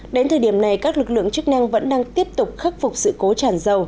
đến thời điểm này các lực lượng chức năng vẫn đang tiếp tục khắc phục sự cố tràn dầu